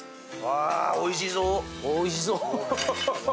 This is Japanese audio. おいしそう！